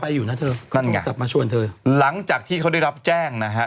เขาชวนเราไปอยู่นะเธอนั่นไงหลังจากที่เขาได้รับแจ้งนะฮะ